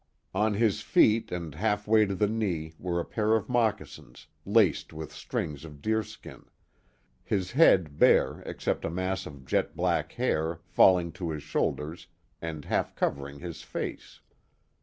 On his feet and half way to the knee were a pair of moccasins, laced with strings of deerskin ; his head bare except a mass of jet black hair falling to his shoulders and half covering his face.